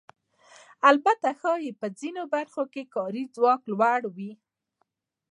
البته ښایي په ځینو برخو کې کاري ځواک لوړ وي